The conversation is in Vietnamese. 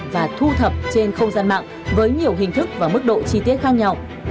và thu thập trên không gian mạng với nhiều hình thức và mức độ chi tiết khác nhau